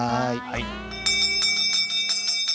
はい。